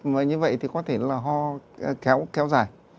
và như vậy thì có thể là ho kéo dài